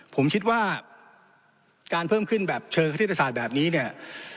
ผมคิดว่าการเพิ่มขึ้นแบบเชิงคณิตศาสตร์แบบนี้เนี่ย